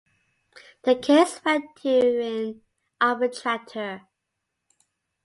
The case went to an arbitrator.